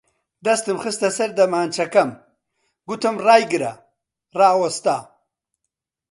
دەستم خستە سەر دەمانچەکەم، گوتم ڕایگرە! ڕاوەستا